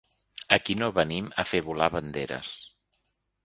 Aquí no venim a fer volar banderes.